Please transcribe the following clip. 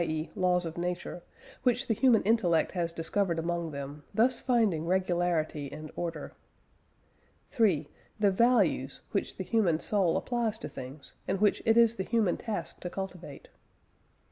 e., "laws of nature") which the human intellect has discovered among them, thus finding regularity and order; (3) the "values" which the human soul applies to things, and which it is the human task to cultivate.